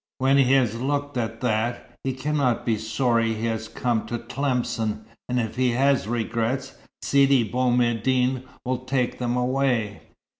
When he has looked at that, he cannot be sorry he has come to Tlemcen; and if he has regrets, Sidi Bou Medine will take them away."